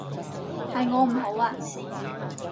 係我唔好啊